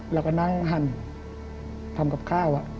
แล้วก็นั่งหั่นทำกับข้าว